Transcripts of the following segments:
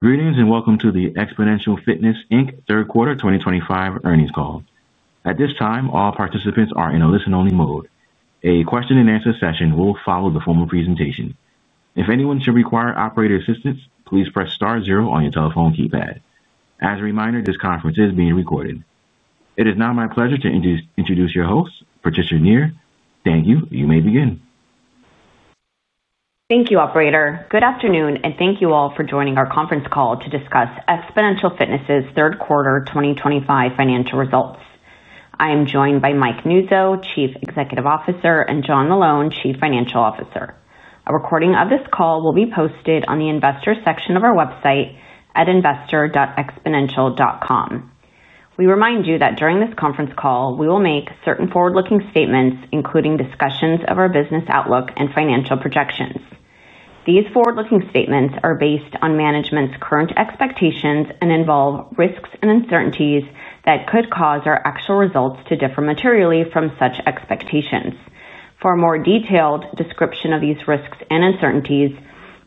Greetings and welcome to the Xponential Fitness third quarter 2025 earnings call. At this time, all participants are in a listen-only mode. A question-and-answer session will follow the formal presentation. If anyone should require operator assistance, please press star zero on your telephone keypad. As a reminder, this conference is being recorded. It is now my pleasure to introduce your host, Patricia Nir. Thank you. You may begin. Thank you, Operator. Good afternoon, and thank you all for joining our conference call to discuss Xponential Fitness's Third Quarter 2025 financial results. I am joined by Mike Nuzzo, Chief Executive Officer, and John Meloun, Chief Financial Officer. A recording of this call will be posted on the investor section of our website at investor.xponential.com. We remind you that during this conference call, we will make certain forward-looking statements, including discussions of our business outlook and financial projections. These forward-looking statements are based on management's current expectations and involve risks and uncertainties that could cause our actual results to differ materially from such expectations. For a more detailed description of these risks and uncertainties,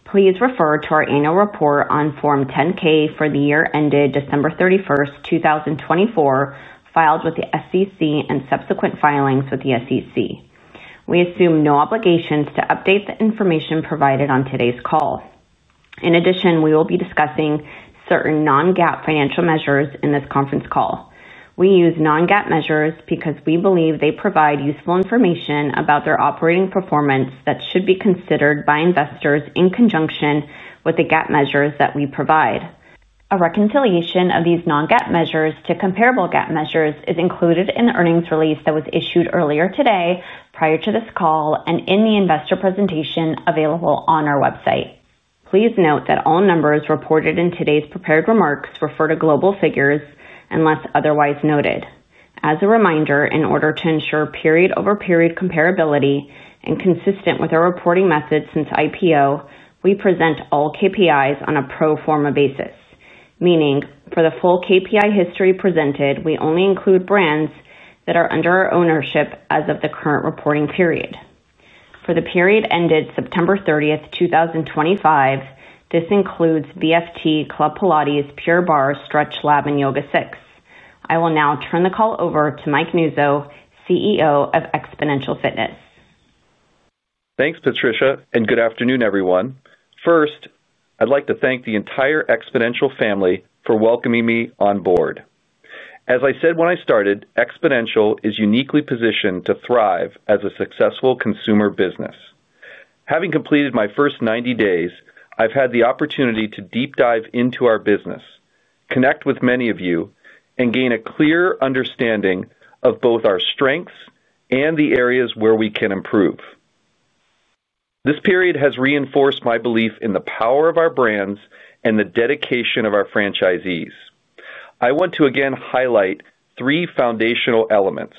please refer to our annual report on Form 10-K for the year ended December 31, 2024, filed with the SEC and subsequent filings with the SEC. We assume no obligations to update the information provided on today's call. In addition, we will be discussing certain Non-GAAP financial measures in this conference call. We use Non-GAAP measures because we believe they provide useful information about their operating performance that should be considered by investors in conjunction with the GAAP measures that we provide. A reconciliation of these Non-GAAP measures to comparable GAAP measures is included in the earnings release that was issued earlier today prior to this call and in the investor presentation available on our website. Please note that all numbers reported in today's prepared remarks refer to global figures unless otherwise noted. As a reminder, in order to ensure period-over-period comparability and consistent with our reporting method since IPO, we present all KPIs on a pro forma basis, meaning for the full KPI history presented, we only include brands that are under our ownership as of the current reporting period. For the period ended September 30, 2025, this includes BFT, Club Pilates, Pure Barre, StretchLab, and YogaSix. I will now turn the call over to Mike Nuzzo, CEO of Xponential Fitness. Thanks, Patricia, and good afternoon, everyone. First, I'd like to thank the entire Xponential family for welcoming me on board. As I said when I started, Xponential is uniquely positioned to thrive as a successful consumer business. Having completed my first 90 days, I've had the opportunity to deep dive into our business, connect with many of you, and gain a clear understanding of both our strengths and the areas where we can improve. This period has reinforced my belief in the power of our brands and the dedication of our franchisees. I want to again highlight three foundational elements.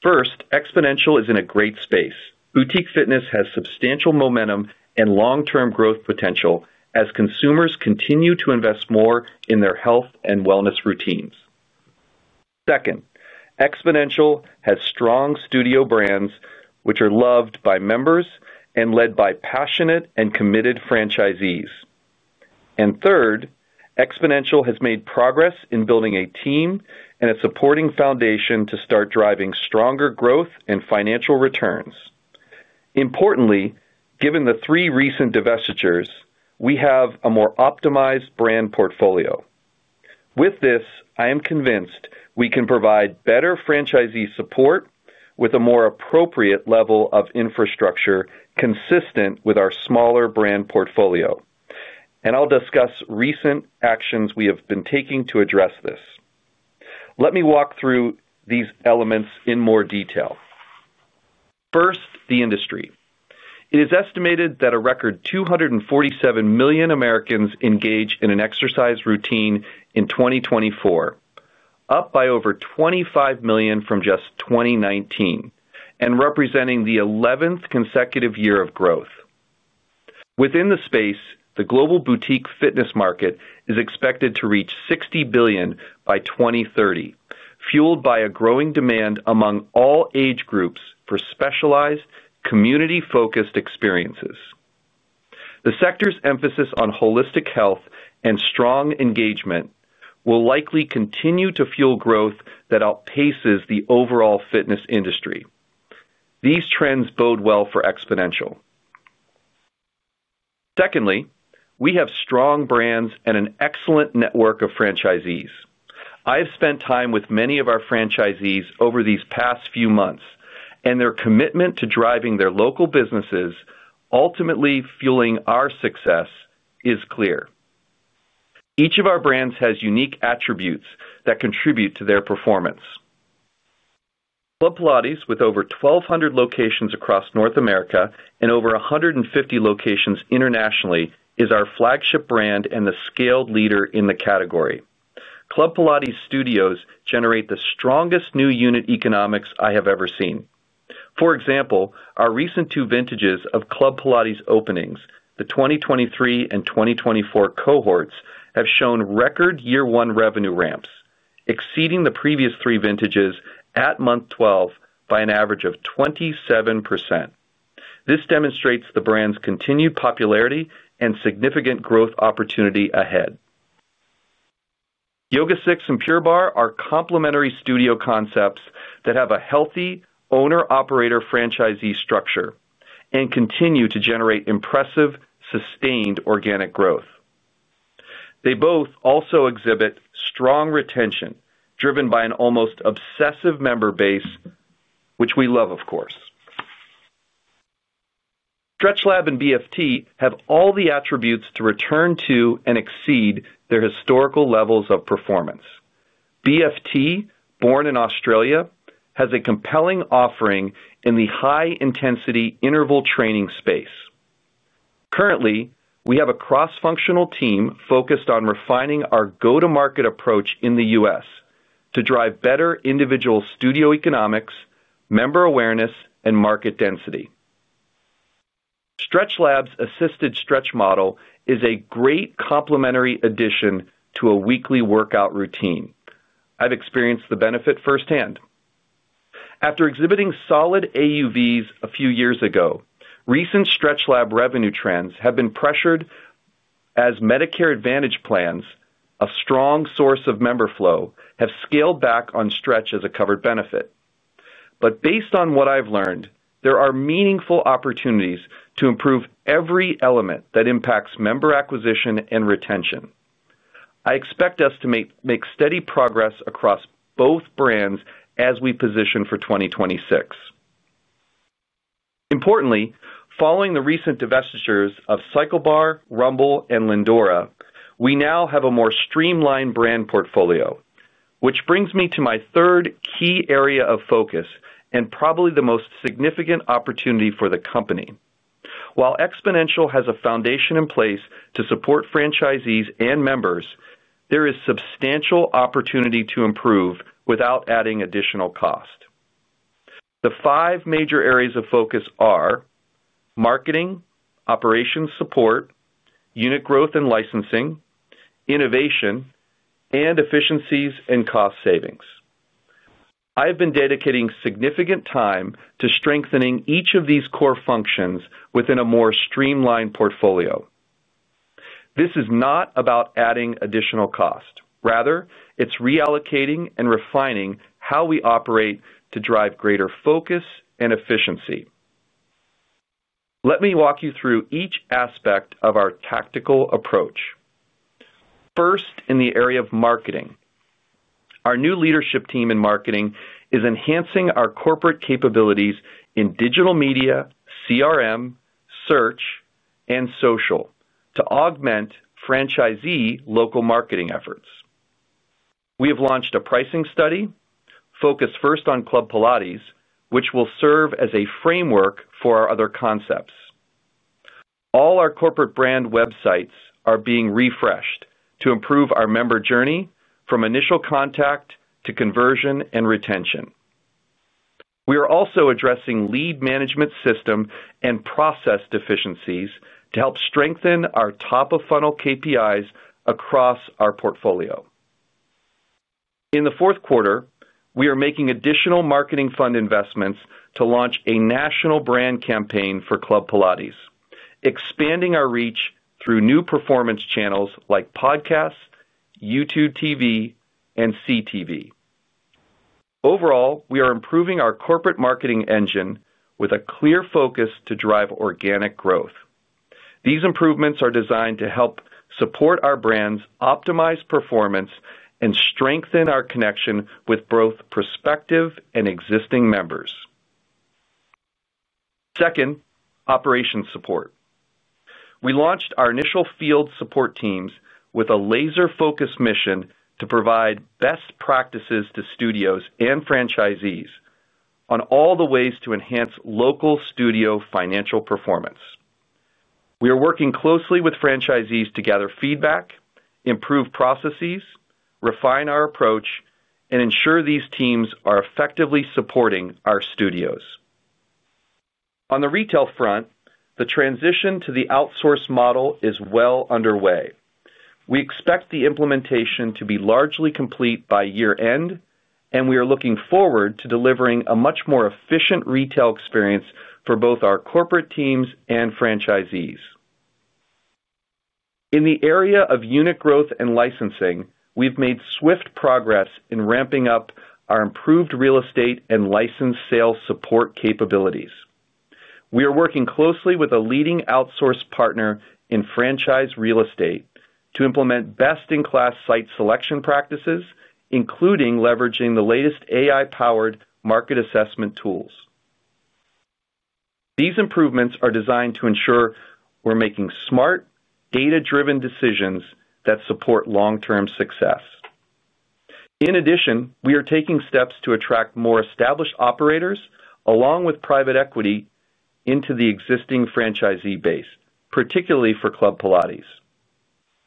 First, Xponential is in a great space. Boutique fitness has substantial momentum and long-term growth potential as consumers continue to invest more in their health and wellness routines. Second, Xponential has strong studio brands, which are loved by members and led by passionate and committed franchisees. Third, Xponential has made progress in building a team and a supporting foundation to start driving stronger growth and financial returns. Importantly, given the three recent divestitures, we have a more optimized brand portfolio. With this, I am convinced we can provide better franchisee support with a more appropriate level of infrastructure consistent with our smaller brand portfolio, and I'll discuss recent actions we have been taking to address this. Let me walk through these elements in more detail. First, the industry. It is estimated that a record 247 million Americans engage in an exercise routine in 2024, up by over 25 million from just 2019 and representing the 11th consecutive year of growth. Within the space, the global boutique fitness market is expected to reach $60 billion by 2030, fueled by a growing demand among all age groups for specialized, community-focused experiences. The sector's emphasis on holistic health and strong engagement will likely continue to fuel growth that outpaces the overall fitness industry. These trends bode well for Xponential. Secondly, we have strong brands and an excellent network of franchisees. I've spent time with many of our franchisees over these past few months, and their commitment to driving their local businesses, ultimately fueling our success, is clear. Each of our brands has unique attributes that contribute to their performance. Club Pilates, with over 1,200 locations across North America and over 150 locations internationally, is our flagship brand and the scaled leader in the category. Club Pilates studios generate the strongest new unit economics I have ever seen. For example, our recent two vintages of Club Pilates openings, the 2023 and 2024 cohorts, have shown record year-one revenue ramps, exceeding the previous three vintages at month 12 by an average of 27%. This demonstrates the brand's continued popularity and significant growth opportunity ahead. YogaSix and Pure Barre are complementary studio concepts that have a healthy owner-operator franchisee structure and continue to generate impressive, sustained organic growth. They both also exhibit strong retention driven by an almost obsessive member base, which we love, of course. StretchLab and BFT have all the attributes to return to and exceed their historical levels of performance. BFT, born in Australia, has a compelling offering in the high-intensity interval training space. Currently, we have a cross-functional team focused on refining our go-to-market approach in the U.S. to drive better individual studio economics, member awareness, and market density. StretchLab's assisted stretch model is a great complementary addition to a weekly workout routine. I've experienced the benefit firsthand. After exhibiting solid AUVs a few years ago, recent StretchLab revenue trends have been pressured. As Medicare Advantage plans, a strong source of member flow, have scaled back on stretch as a covered benefit. Based on what I've learned, there are meaningful opportunities to improve every element that impacts member acquisition and retention. I expect us to make steady progress across both brands as we position for 2026. Importantly, following the recent divestitures of CycleBar, Rumble, and Lindora, we now have a more streamlined brand portfolio, which brings me to my third key area of focus and probably the most significant opportunity for the company. While Xponential has a foundation in place to support franchisees and members, there is substantial opportunity to improve without adding additional cost. The five major areas of focus are marketing, operations support, unit growth and licensing, innovation, and efficiencies and cost savings. I have been dedicating significant time to strengthening each of these core functions within a more streamlined portfolio. This is not about adding additional cost. Rather, it's reallocating and refining how we operate to drive greater focus and efficiency. Let me walk you through each aspect of our tactical approach. First, in the area of marketing. Our new leadership team in marketing is enhancing our corporate capabilities in digital media, CRM, search, and social to augment franchisee local marketing efforts. We have launched a pricing study focused first on Club Pilates, which will serve as a framework for our other concepts. All our corporate brand websites are being refreshed to improve our member journey from initial contact to conversion and retention. We are also addressing lead management system and process deficiencies to help strengthen our top-of-funnel KPIs across our portfolio. In the fourth quarter, we are making additional marketing fund investments to launch a national brand campaign for Club Pilates, expanding our reach through new performance channels like podcasts, YouTube TV, and CTV. Overall, we are improving our corporate marketing engine with a clear focus to drive organic growth. These improvements are designed to help support our brands, optimize performance, and strengthen our connection with both prospective and existing members. Second, operations support. We launched our initial field support teams with a laser-focused mission to provide best practices to studios and franchisees on all the ways to enhance local studio financial performance. We are working closely with franchisees to gather feedback, improve processes, refine our approach, and ensure these teams are effectively supporting our studios. On the retail front, the transition to the outsource model is well underway. We expect the implementation to be largely complete by year-end, and we are looking forward to delivering a much more efficient retail experience for both our corporate teams and franchisees. In the area of unit growth and licensing, we've made swift progress in ramping up our improved real estate and license sales support capabilities. We are working closely with a leading outsource partner in franchise real estate to implement best-in-class site selection practices, including leveraging the latest AI-powered market assessment tools. These improvements are designed to ensure we're making smart, data-driven decisions that support long-term success. In addition, we are taking steps to attract more established operators along with private equity into the existing franchisee base, particularly for Club Pilates.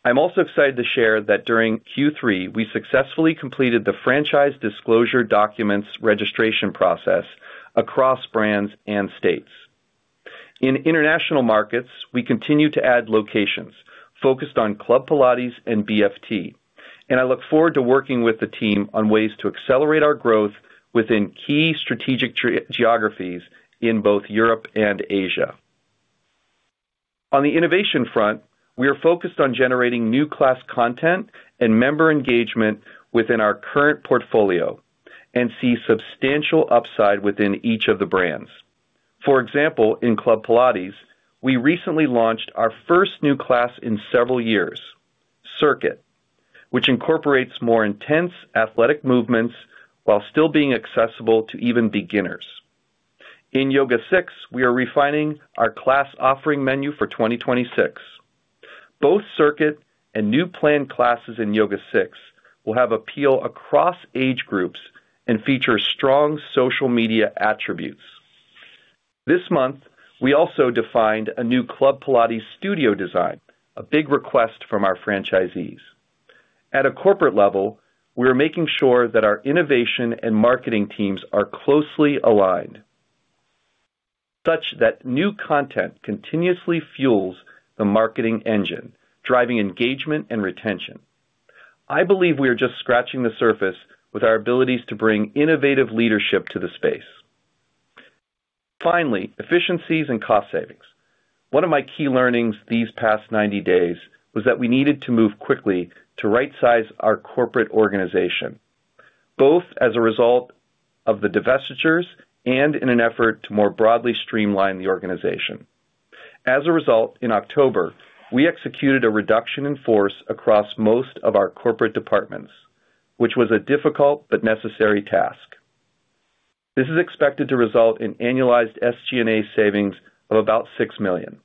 I'm also excited to share that during Q3, we successfully completed the franchise disclosure documents registration process across brands and states. In international markets, we continue to add locations focused on Club Pilates and BFT, and I look forward to working with the team on ways to accelerate our growth within key strategic geographies in both Europe and Asia. On the innovation front, we are focused on generating new-class content and member engagement within our current portfolio and see substantial upside within each of the brands. For example, in Club Pilates, we recently launched our first new class in several years, Circuit, which incorporates more intense athletic movements while still being accessible to even beginners. In YogaSix, we are refining our class offering menu for 2026. Both Circuit and new planned classes in YogaSix will have appeal across age groups and feature strong social media attributes. This month, we also defined a new Club Pilates studio design, a big request from our franchisees. At a corporate level, we are making sure that our innovation and marketing teams are closely aligned, such that new content continuously fuels the marketing engine, driving engagement and retention. I believe we are just scratching the surface with our abilities to bring innovative leadership to the space. Finally, efficiencies and cost savings. One of my key learnings these past 90 days was that we needed to move quickly to right-size our corporate organization, both as a result of the divestitures and in an effort to more broadly streamline the organization. As a result, in October, we executed a reduction in force across most of our corporate departments, which was a difficult but necessary task. This is expected to result in annualized SG&A savings of about $6 million.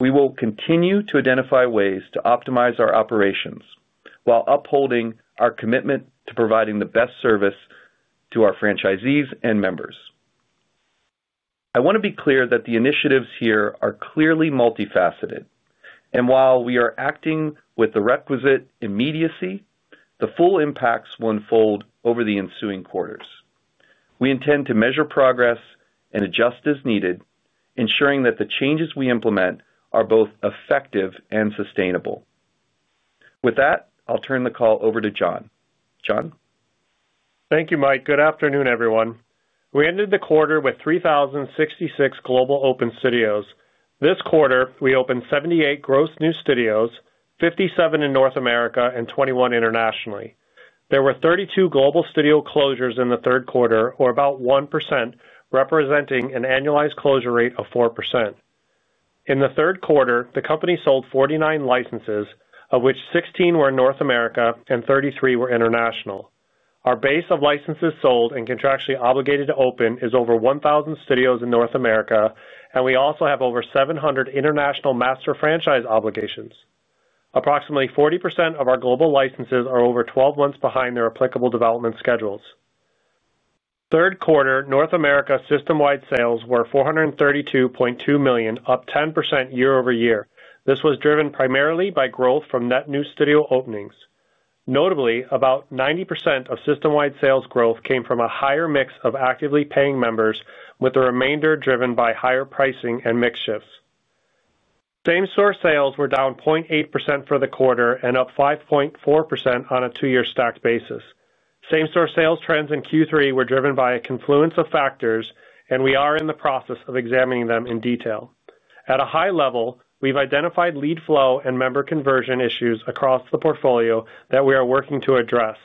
We will continue to identify ways to optimize our operations while upholding our commitment to providing the best service to our franchisees and members. I want to be clear that the initiatives here are clearly multifaceted, and while we are acting with the requisite immediacy, the full impacts will unfold over the ensuing quarters. We intend to measure progress and adjust as needed, ensuring that the changes we implement are both effective and sustainable. With that, I'll turn the call over to John. John? Thank you, Mike. Good afternoon, everyone. We ended the quarter with 3,066 global open studios. This quarter, we opened 78 gross new studios, 57 in North America, and 21 internationally. There were 32 global studio closures in the third quarter, or about 1%, representing an annualized closure rate of 4%. In the third quarter, the company sold 49 licenses, of which 16 were in North America and 33 were international. Our base of licenses sold and contractually obligated to open is over 1,000 studios in North America, and we also have over 700 international master franchise obligations. Approximately 40% of our global licenses are over 12 months behind their applicable development schedules. Third quarter, North America system-wide sales were $432.2 million, up 10% year-over-year. This was driven primarily by growth from net new studio openings. Notably, about 90% of system-wide sales growth came from a higher mix of actively paying members, with the remainder driven by higher pricing and mix shifts. Same-store sales were down 0.8% for the quarter and up 5.4% on a two-year stacked basis. Same-store sales trends in Q3 were driven by a confluence of factors, and we are in the process of examining them in detail. At a high level, we've identified lead flow and member conversion issues across the portfolio that we are working to address,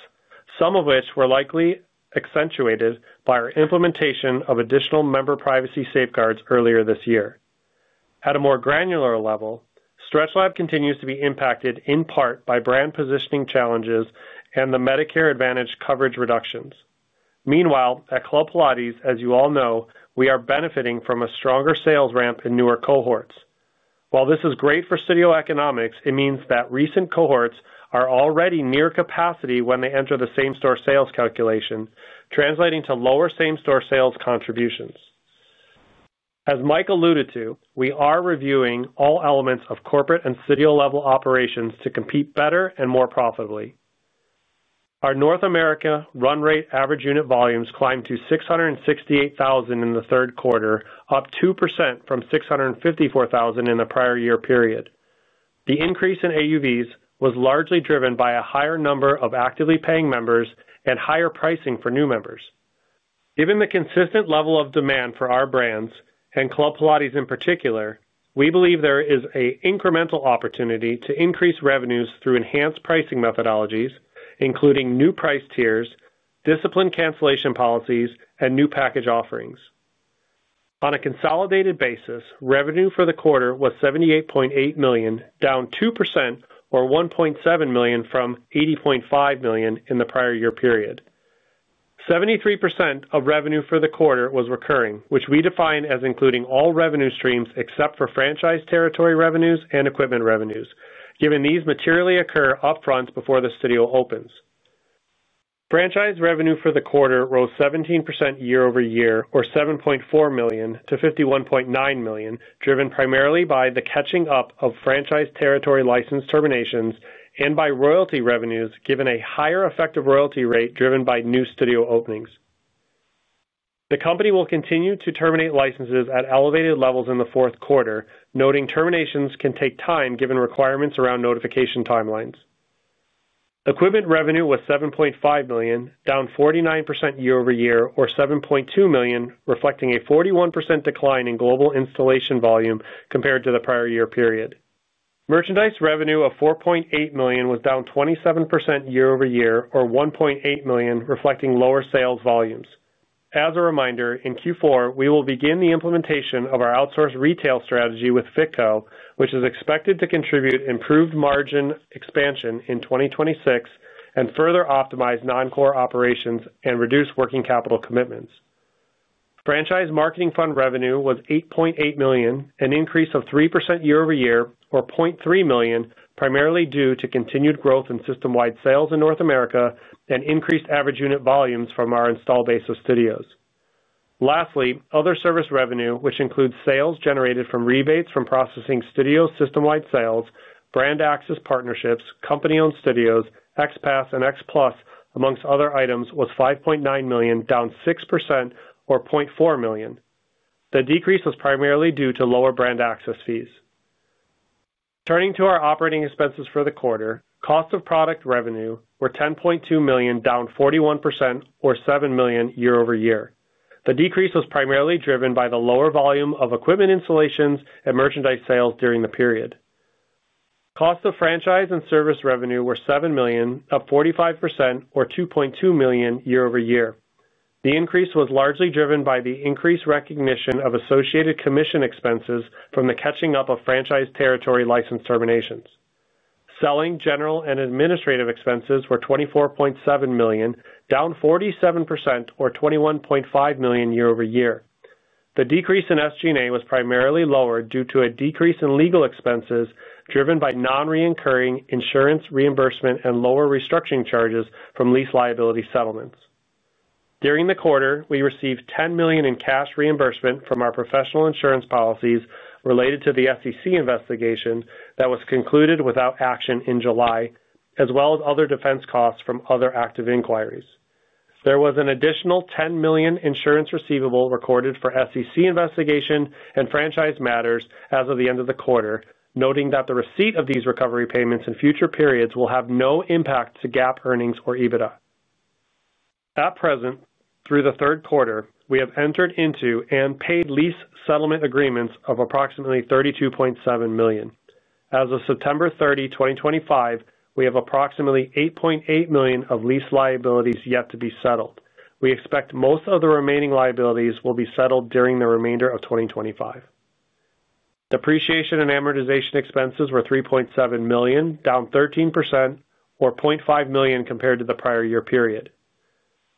some of which were likely accentuated by our implementation of additional member privacy safeguards earlier this year. At a more granular level, StretchLab continues to be impacted in part by brand positioning challenges and the Medicare Advantage coverage reductions. Meanwhile, at Club Pilates, as you all know, we are benefiting from a stronger sales ramp in newer cohorts. While this is great for studio economics, it means that recent cohorts are already near capacity when they enter the same-store sales calculation, translating to lower same-store sales contributions. As Mike alluded to, we are reviewing all elements of corporate and studio-level operations to compete better and more profitably. Our North America run-rate average unit volumes climbed to $668,000 in the third quarter, up 2% from $654,000 in the prior year period. The increase in AUVs was largely driven by a higher number of actively paying members and higher pricing for new members. Given the consistent level of demand for our brands and Club Pilates in particular, we believe there is an incremental opportunity to increase revenues through enhanced pricing methodologies, including new price tiers, discipline cancellation policies, and new package offerings. On a consolidated basis, revenue for the quarter was $78.8 million, down 2% or $1.7 million from $80.5 million in the prior year period. 73% of revenue for the quarter was recurring, which we define as including all revenue streams except for franchise territory revenues and equipment revenues, given these materially occur upfront before the studio opens. Franchise revenue for the quarter rose 17% year-over-year, or $7.4 million-$51.9 million, driven primarily by the catching up of franchise territory license terminations and by royalty revenues, given a higher effective royalty rate driven by new studio openings. The company will continue to terminate licenses at elevated levels in the fourth quarter, noting terminations can take time given requirements around notification timelines. Equipment revenue was $7.5 million, down 49% year-over-year, or $7.2 million, reflecting a 41% decline in global installation volume compared to the prior year period. Merchandise revenue of $4.8 million was down 27% year-over-year, or $1.8 million, reflecting lower sales volumes. As a reminder, in Q4, we will begin the implementation of our outsource retail strategy with Fitco, which is expected to contribute improved margin expansion in 2026 and further optimize non-core operations and reduce working capital commitments. Franchise marketing fund revenue was $8.8 million, an increase of 3% year-over-year, or $0.3 million, primarily due to continued growth in system-wide sales in North America and increased average unit volumes from our installed base of studios. Lastly, other service revenue, which includes sales generated from rebates from processing studio system-wide sales, brand access partnerships, company-owned studios, XPass, and XPlus, amongst other items, was $5.9 million, down 6% or $0.4 million. The decrease was primarily due to lower brand access fees. Turning to our operating expenses for the quarter, cost of product revenue was $10.2 million, down 41% or $7 million year-over-year. The decrease was primarily driven by the lower volume of equipment installations and merchandise sales during the period. Cost of franchise and service revenue was $7 million, up 45% or $2.2 million year-over-year. The increase was largely driven by the increased recognition of associated commission expenses from the catching up of franchise territory license terminations. Selling, general, and administrative expenses were $24.7 million, down 47% or $21.5 million year-over-year. The decrease in SG&A was primarily lower due to a decrease in legal expenses driven by non-recurring insurance reimbursement and lower restructuring charges from lease liability settlements. During the quarter, we received $10 million in cash reimbursement from our professional insurance policies related to the SEC investigation that was concluded without action in July, as well as other defense costs from other active inquiries. There was an additional $10 million in insurance receivable recorded for SEC investigation and franchise matters as of the end of the quarter, noting that the receipt of these recovery payments in future periods will have no impact to GAAP earnings or EBITDA. At present, through the third quarter, we have entered into and paid lease settlement agreements of approximately $32.7 million. As of September 30, 2025, we have approximately $8.8 million of lease liabilities yet to be settled. We expect most of the remaining liabilities will be settled during the remainder of 2025. Depreciation and amortization expenses were $3.7 million, down 13% or $0.5 million compared to the prior year period.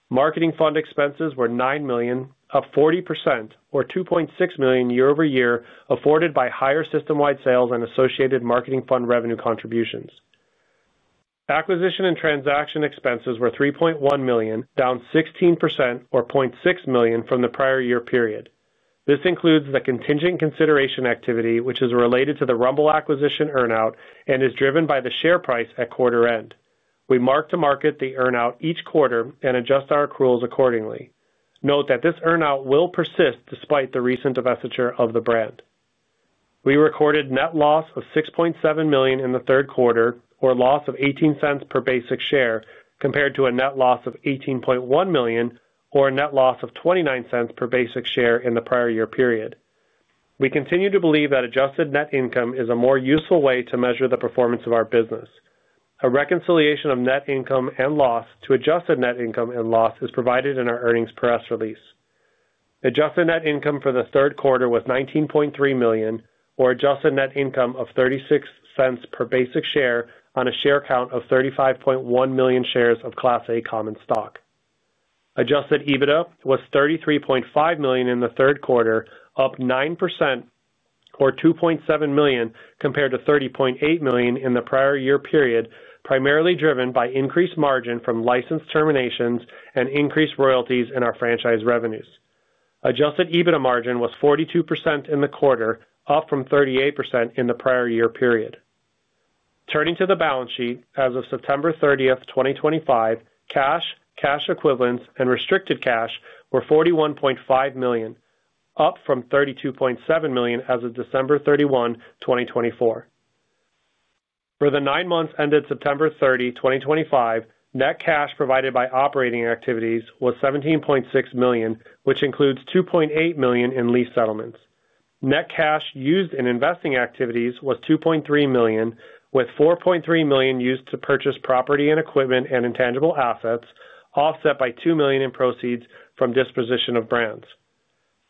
Marketing fund expenses were $9 million, up 40% or $2.6 million year-over-year, afforded by higher system-wide sales and associated marketing fund revenue contributions. Acquisition and transaction expenses were $3.1 million, down 16% or $0.6 million from the prior year period. This includes the contingent consideration activity, which is related to the Rumble acquisition earnout and is driven by the share price at quarter end. We mark to market the earnout each quarter and adjust our accruals accordingly. Note that this earnout will persist despite the recent divestiture of the brand. We recorded net loss of $6.7 million in the third quarter, or loss of $0.18 per basic share, compared to a net loss of $18.1 million or a net loss of $0.29 per basic share in the prior year period. We continue to believe that adjusted net income is a more useful way to measure the performance of our business. A reconciliation of net income and loss to adjusted net income and loss is provided in our earnings press release. Adjusted net income for the third quarter was $19.3 million, or adjusted net income of $0.36 per basic share on a share count of 35.1 million shares of Class A common stock. Adjusted EBITDA was $33.5 million in the third quarter, up 9%. Or $2.7 million compared to $30.8 million in the prior year period, primarily driven by increased margin from license terminations and increased royalties in our franchise revenues. Adjusted EBITDA margin was 42% in the quarter, up from 38% in the prior year period. Turning to the balance sheet, as of September 30, 2025, cash, cash equivalents, and restricted cash were $41.5 million, up from $32.7 million as of December 31, 2024. For the nine months ended September 30, 2025, net cash provided by operating activities was $17.6 million, which includes $2.8 million in lease settlements. Net cash used in investing activities was $2.3 million, with $4.3 million used to purchase property and equipment and intangible assets, offset by $2 million in proceeds from disposition of brands.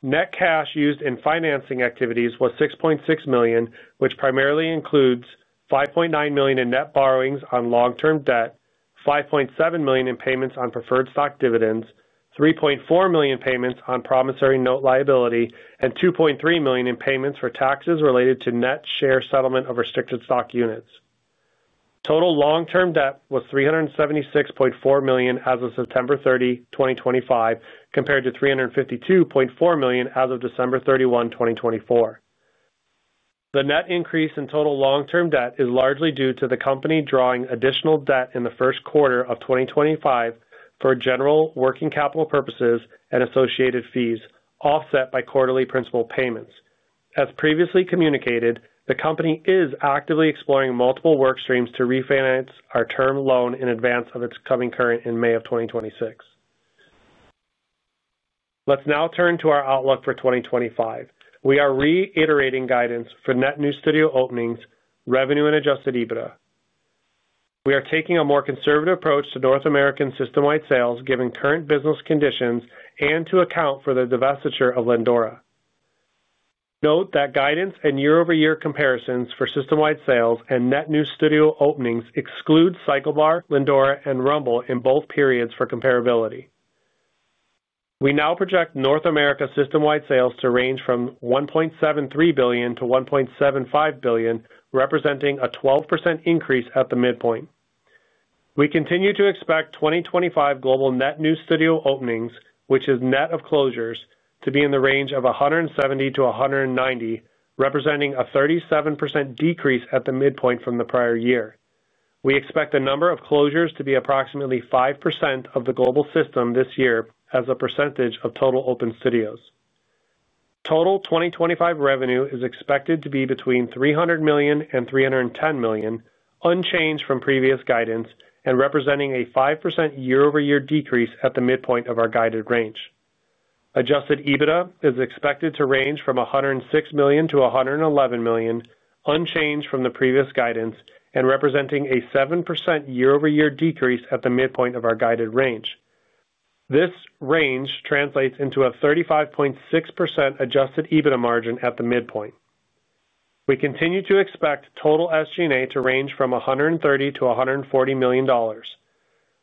Net cash used in financing activities was $6.6 million, which primarily includes $5.9 million in net borrowings on long-term debt, $5.7 million in payments on preferred stock dividends, $3.4 million payments on promissory note liability, and $2.3 million in payments for taxes related to net share settlement of restricted stock units. Total long-term debt was $376.4 million as of September 30, 2025, compared to $352.4 million as of December 31, 2024. The net increase in total long-term debt is largely due to the company drawing additional debt in the first quarter of 2025 for general working capital purposes and associated fees, offset by quarterly principal payments. As previously communicated, the company is actively exploring multiple work streams to refinance our term loan in advance of its coming current in May of 2026. Let's now turn to our outlook for 2025. We are reiterating guidance for net new studio openings, revenue, and Adjusted EBITDA. We are taking a more conservative approach to North American system-wide sales, given current business conditions, and to account for the divestiture of Lindora. Note that guidance and year-over-year comparisons for system-wide sales and net new studio openings exclude CycleBar, Lindora, and Rumble in both periods for comparability. We now project North America system-wide sales to range from $1.73 billion-$1.75 billion, representing a 12% increase at the midpoint. We continue to expect 2025 global net new studio openings, which is net of closures, to be in the range of 170-190, representing a 37% decrease at the midpoint from the prior year. We expect the number of closures to be approximately 5% of the global system this year as a percentage of total open studios. Total 2025 revenue is expected to be between $300 million and $310 million, unchanged from previous guidance, and representing a 5% year-over-year decrease at the midpoint of our guided range. Adjusted EBITDA is expected to range from $106 million-$111 million, unchanged from the previous guidance, and representing a 7% year-over-year decrease at the midpoint of our guided range. This range translates into a 35.6% Adjusted EBITDA margin at the midpoint. We continue to expect total SG&A to range from $130 million-$140 million.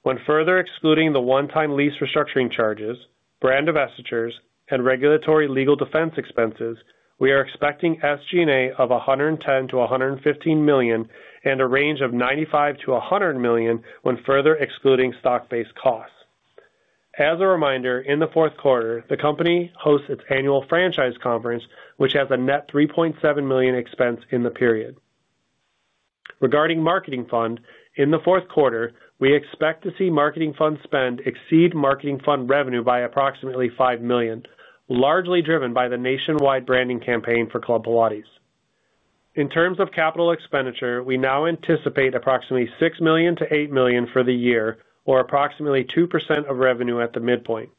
When further excluding the one-time lease restructuring charges, brand divestitures, and regulatory legal defense expenses, we are expecting SG&A of $110 million-$115 million and a range of $95 million-$100 million when further excluding stock-based costs. As a reminder, in the fourth quarter, the company hosts its annual franchise conference, which has a net $3.7 million expense in the period. Regarding marketing fund, in the fourth quarter, we expect to see marketing fund spend exceed marketing fund revenue by approximately $5 million, largely driven by the nationwide branding campaign for Club Pilates. In terms of capital expenditure, we now anticipate approximately $6 million-$8 million for the year, or approximately 2% of revenue at the midpoint.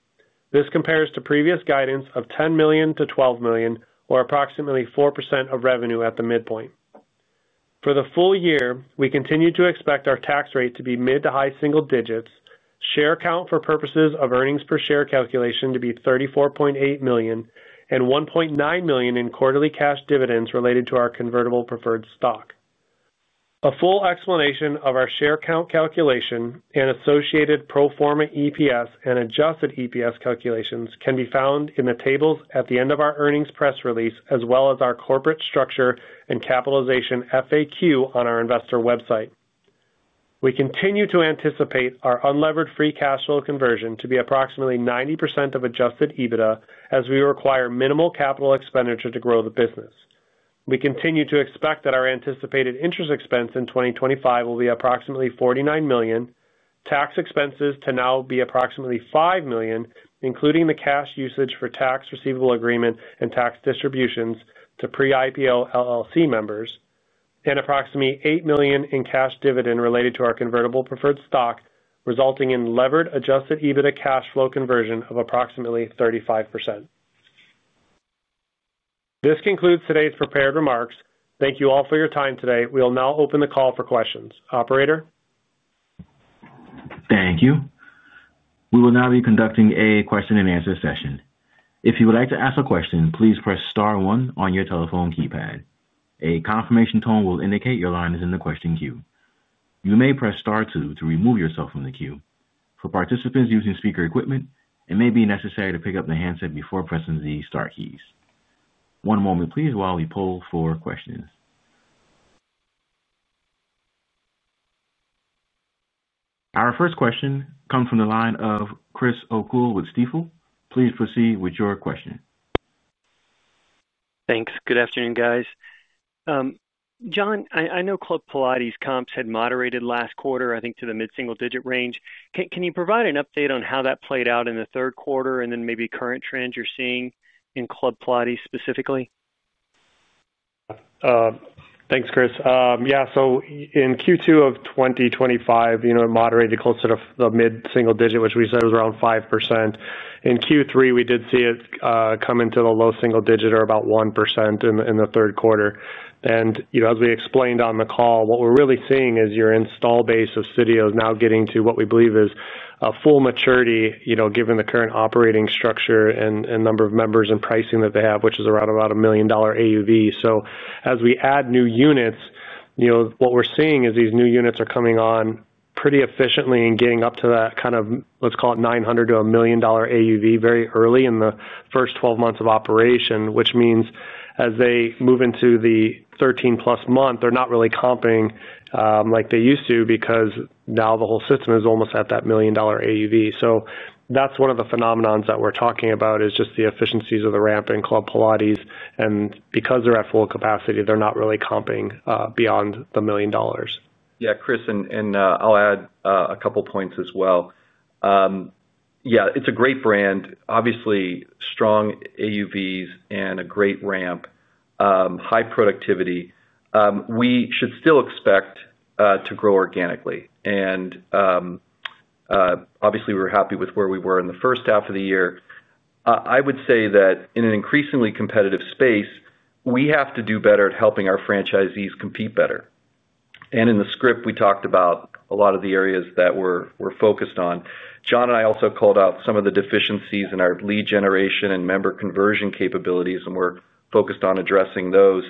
This compares to previous guidance of $10 million-$12 million, or approximately 4% of revenue at the midpoint. For the full year, we continue to expect our tax rate to be mid to high single digits, share count for purposes of earnings per share calculation to be 34.8 million, and $1.9 million in quarterly cash dividends related to our convertible preferred stock. A full explanation of our share count calculation and associated pro forma EPS and adjusted EPS calculations can be found in the tables at the end of our earnings press release, as well as our corporate structure and capitalization FAQ on our investor website. We continue to anticipate our unlevered free cash flow conversion to be approximately 90% of Adjusted EBITDA, as we require minimal capital expenditure to grow the business. We continue to expect that our anticipated interest expense in 2025 will be approximately $49 million, tax expenses to now be approximately $5 million, including the cash usage for tax receivable agreement and tax distributions to pre-IPO LLC members, and approximately $8 million in cash dividend related to our convertible preferred stock, resulting in levered Adjusted EBITDA cash flow conversion of approximately 35%. This concludes today's prepared remarks. Thank you all for your time today. We will now open the call for questions. Operator. Thank you. We will now be conducting a question-and-answer session. If you would like to ask a question, please press star one on your telephone keypad. A confirmation tone will indicate your line is in the question queue. You may press star two to remove yourself from the queue. For participants using speaker equipment, it may be necessary to pick up the handset before pressing the star keys. One moment, please, while we poll for questions. Our first question comes from the line of Chris O'Cull with Stifel. Please proceed with your question. Thanks. Good afternoon, guys. John, I know Club Pilates comps had moderated last quarter, I think, to the mid-single digit range. Can you provide an update on how that played out in the third quarter and then maybe current trends you're seeing in Club Pilates specifically? Thanks, Chris. Yeah, so in Q2 of 2025, it moderated closer to the mid-single digit, which we said was around 5%. In Q3, we did see it come into the low single digit or about 1% in the third quarter. As we explained on the call, what we're really seeing is your install base of studios now getting to what we believe is a full maturity, given the current operating structure and number of members and pricing that they have, which is around about a $1 million AUV. As we add new units, what we're seeing is these new units are coming on pretty efficiently and getting up to that kind of, let's call it, $900,000-$1 million AUV very early in the first 12 months of operation, which means as they move into the 13+ month, they're not really comping like they used to because now the whole system is almost at that $1 million AUV. That's one of the phenomenons that we're talking about, is just the efficiencies of the ramp in Club Pilates. And because they're at full capacity, they're not really comping beyond the $1 million. Yeah, Chris, and I'll add a couple of points as well. Yeah, it's a great brand, obviously strong AUVs and a great ramp. High productivity. We should still expect to grow organically. And. Obviously, we were happy with where we were in the first half of the year. I would say that in an increasingly competitive space, we have to do better at helping our franchisees compete better. In the script, we talked about a lot of the areas that we're focused on. John and I also called out some of the deficiencies in our lead generation and member conversion capabilities, and we're focused on addressing those.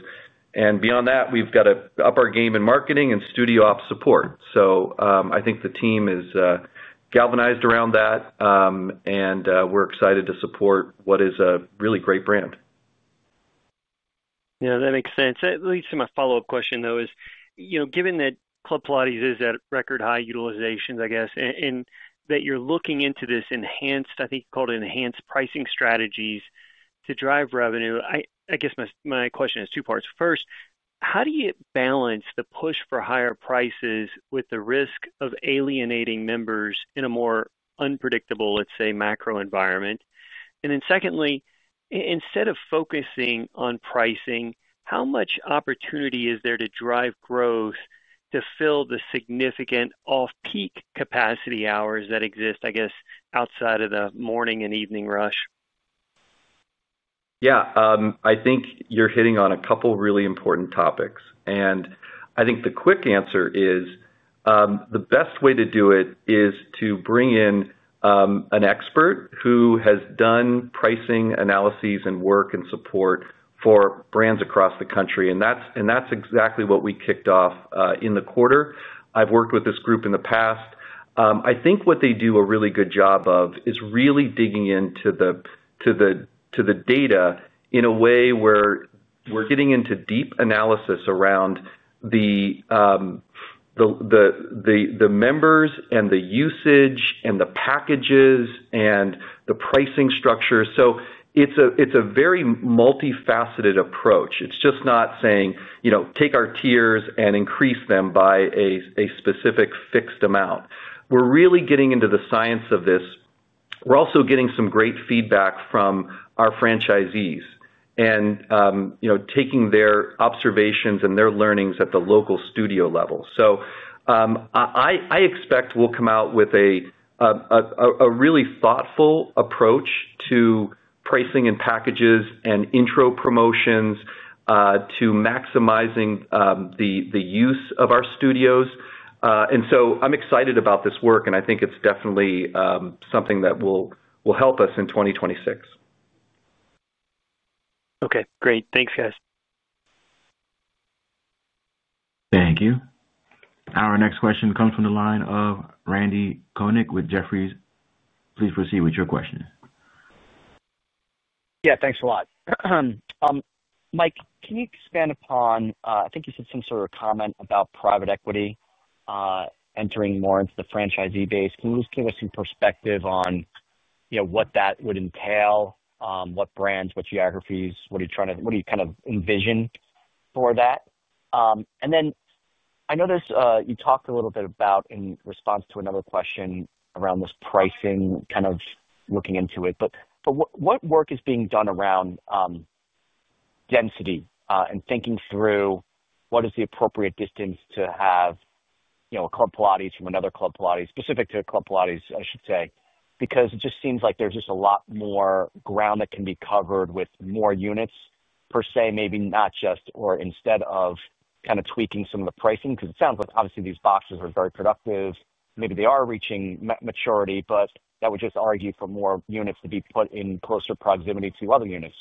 Beyond that, we've got to up our game in marketing and studio ops support. I think the team is galvanized around that. We're excited to support what is a really great brand. Yeah, that makes sense. At least my follow-up question, though, is given that Club Pilates is at record high utilizations, I guess, and that you're looking into this enhanced, I think you called it enhanced pricing strategies to drive revenue, I guess my question is two parts. First, how do you balance the push for higher prices with the risk of alienating members in a more unpredictable, let's say, macro environment? Secondly, instead of focusing on pricing, how much opportunity is there to drive growth to fill the significant off-peak capacity hours that exist, I guess, outside of the morning and evening rush? Yeah, I think you're hitting on a couple of really important topics. I think the quick answer is. The best way to do it is to bring in. An expert who has done pricing analyses and work and support for brands across the country. That's exactly what we kicked off in the quarter. I've worked with this group in the past. I think what they do a really good job of is really digging into the data in a way where we're getting into deep analysis around the members and the usage and the packages and the pricing structure. It's a very multifaceted approach. It's just not saying, "Take our tiers and increase them by a specific fixed amount." We're really getting into the science of this. We're also getting some great feedback from our franchisees and taking their observations and their learnings at the local studio level. I expect we'll come out with a really thoughtful approach to pricing and packages and intro promotions to maximizing the use of our studios. I'm excited about this work, and I think it's definitely something that will help us in 2026. Okay, great. Thanks, guys. Thank you. Our next question comes from the line of Randal Konik with Jefferies. Please proceed with your question. Yeah, thanks a lot. Mike, can you expand upon—I think you said some sort of comment about private equity entering more into the franchisee base? Can you just give us some perspective on what that would entail, what brands, what geographies, what are you trying to—what do you kind of envision for that? I know you talked a little bit about, in response to another question around this pricing, kind of looking into it. What work is being done around density and thinking through what is the appropriate distance to have. A Club Pilates from another Club Pilates, specific to Club Pilates, I should say, because it just seems like there's just a lot more ground that can be covered with more units, per se, maybe not just—or instead of kind of tweaking some of the pricing, because it sounds like obviously these boxes are very productive. Maybe they are reaching maturity, but that would just argue for more units to be put in closer proximity to other units.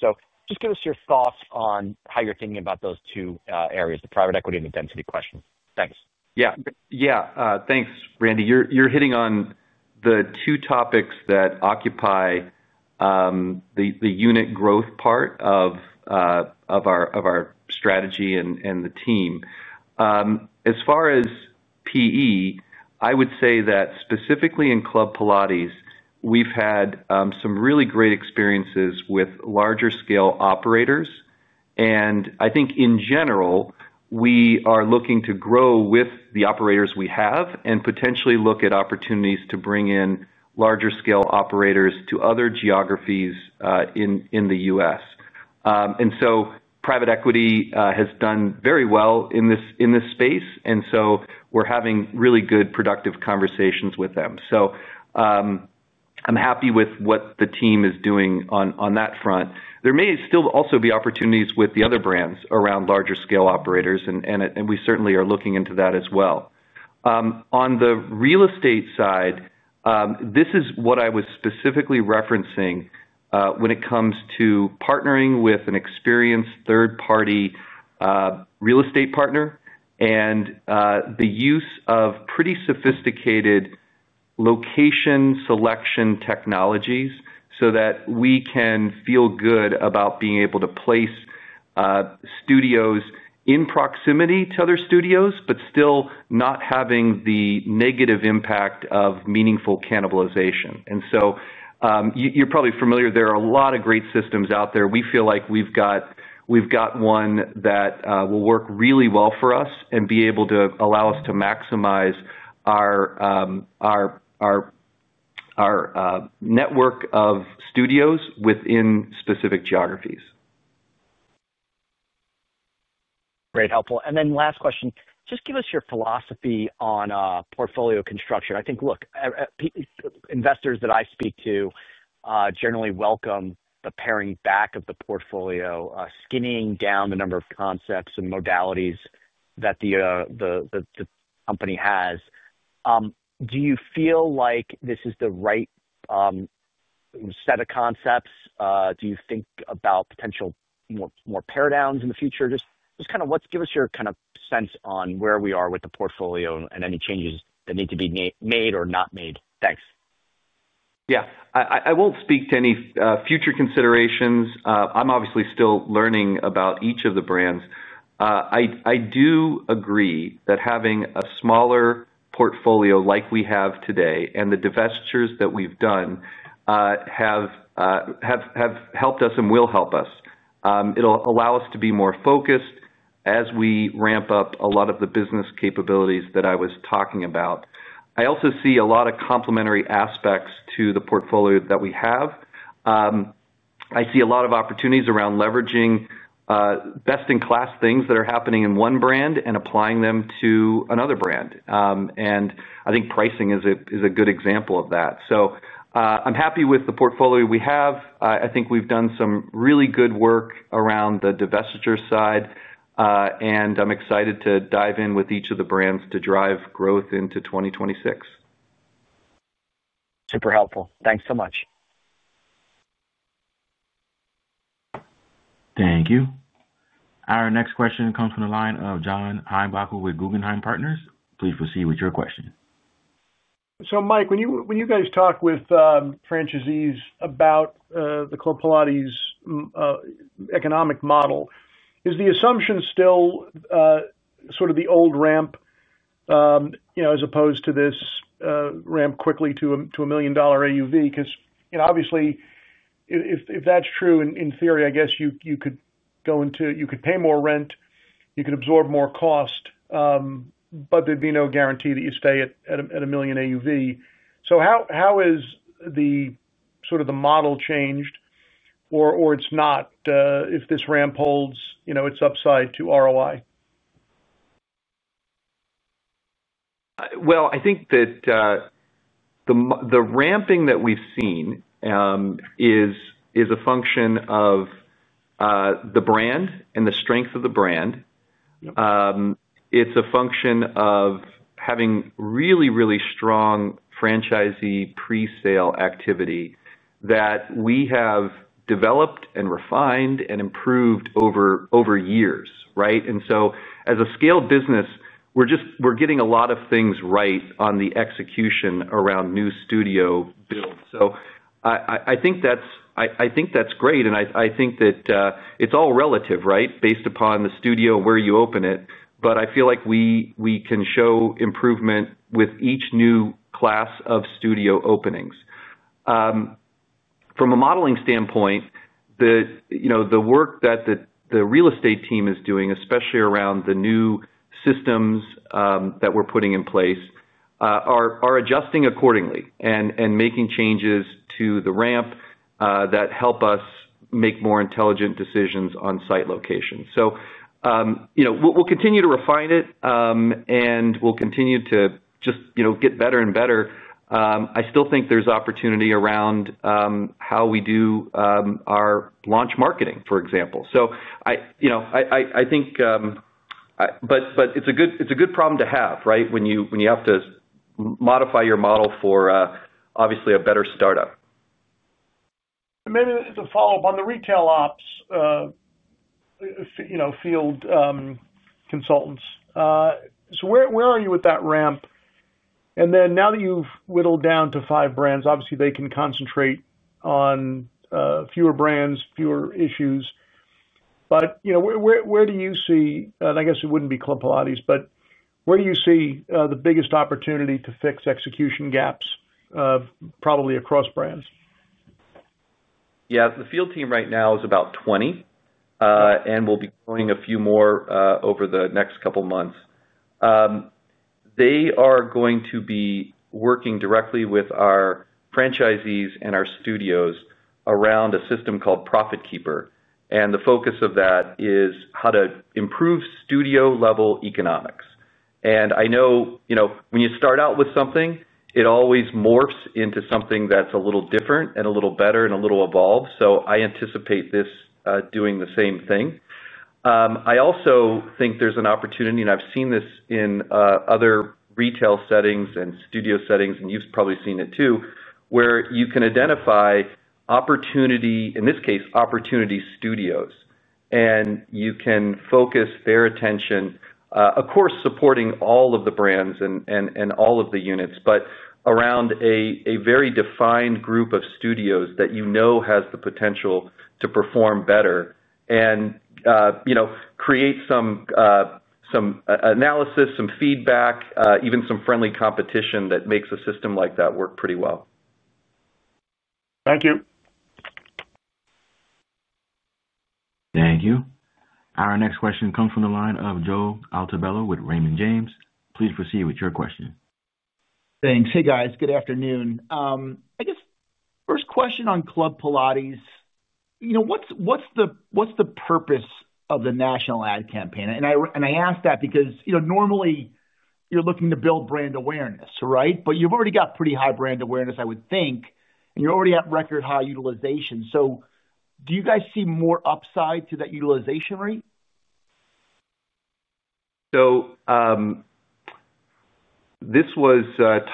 Just give us your thoughts on how you're thinking about those two areas, the private equity and the density question. Thanks. Yeah, thanks, Randal. You're hitting on the two topics that occupy the unit growth part of our strategy and the team. As far as PE, I would say that specifically in Club Pilates, we've had some really great experiences with larger-scale operators. I think, in general, we are looking to grow with the operators we have and potentially look at opportunities to bring in larger-scale operators to other geographies in the U.S. Private equity has done very well in this space, and we are having really good productive conversations with them. I'm happy with what the team is doing on that front. There may still also be opportunities with the other brands around larger-scale operators, and we certainly are looking into that as well. On the real estate side, this is what I was specifically referencing when it comes to partnering with an experienced third-party real estate partner and the use of pretty sophisticated location selection technologies so that we can feel good about being able to place studios in proximity to other studios, but still not having the negative impact of meaningful cannibalization. You're probably familiar, there are a lot of great systems out there. We feel like we've got one that will work really well for us and be able to allow us to maximize our network of studios within specific geographies. Great, helpful. Last question, just give us your philosophy on portfolio construction. I think, look, investors that I speak to generally welcome the paring back of the portfolio, skinning down the number of concepts and modalities that the company has. Do you feel like this is the right set of concepts? Do you think about potential more paradigms in the future? Just kind of give us your sense on where we are with the portfolio and any changes that need to be made or not made. Thanks. Yeah, I won't speak to any future considerations. I'm obviously still learning about each of the brands. I do agree that having a smaller portfolio like we have today and the divestitures that we've done have helped us and will help us. It'll allow us to be more focused as we ramp up a lot of the business capabilities that I was talking about. I also see a lot of complementary aspects to the portfolio that we have. I see a lot of opportunities around leveraging best-in-class things that are happening in one brand and applying them to another brand. I think pricing is a good example of that. I'm happy with the portfolio we have. I think we've done some really good work around the divestiture side. I'm excited to dive in with each of the brands to drive growth into 2026. Super helpful. Thanks so much. Thank you. Our next question comes from the line of John Heinbockel with Guggenheim Partners. Please proceed with your question. So Mike, when you guys talk with franchisees about the Club Pilates economic model, is the assumption still sort of the old ramp as opposed to this ramp quickly to a million-dollar AUV? Because obviously, if that's true, in theory, I guess you could go into—you could pay more rent, you could absorb more cost. But there'd be no guarantee that you stay at a million AUV. So how has sort of the model changed? Or it's not? If this ramp holds its upside to ROI? Well, I think that the ramping that we've seen is a function of the brand and the strength of the brand. It's a function of having really, really strong franchisee pre-sale activity that we have developed and refined and improved over years, right? And so as a scaled business, we're getting a lot of things right on the execution around new studio builds. So I think that's great. And I think that it's all relative, right, based upon the studio and where you open it. But I feel like we can show improvement with each new class of studio openings. From a modeling standpoint. The work that the real estate team is doing, especially around the new systems that we're putting in place, are adjusting accordingly and making changes to the ramp that help us make more intelligent decisions on site locations. So. We'll continue to refine it. And we'll continue to just get better and better. I still think there's opportunity around. How we do. Our launch marketing, for example. So. I think. But it's a good problem to have, right, when you have to modify your model for obviously a better startup. Maybe it's a follow-up on the retail ops field consultants. So where are you with that ramp? And then now that you've whittled down to five brands, obviously they can concentrate on fewer brands, fewer issues. But where do you see, and I guess it wouldn't be Club Pilates, but where do you see the biggest opportunity to fix execution gaps probably across brands? Yeah, the field team right now is about 20. And we'll be growing a few more over the next couple of months. They are going to be working directly with our franchisees and our studios around a system called ProfitKeeper. And the focus of that is how to improve studio-level economics. I know when you start out with something, it always morphs into something that's a little different and a little better and a little evolved. I anticipate this doing the same thing. I also think there's an opportunity, and I've seen this in other retail settings and studio settings, and you've probably seen it too, where you can identify, in this case, Opportunity Studios. You can focus their attention, of course, supporting all of the brands and all of the units, but around a very defined group of studios that you know has the potential to perform better and create some analysis, some feedback, even some friendly competition that makes a system like that work pretty well. Thank you. Thank you. Our next question comes from the line of Joe Altobello with Raymond James. Please proceed with your question. Thanks. Hey, guys. Good afternoon. I guess first question on Club Pilates. What's the purpose of the national ad campaign? And I ask that because normally you're looking to build brand awareness, right? But you've already got pretty high brand awareness, I would think, and you already have record-high utilization. Do you guys see more upside to that utilization rate? This was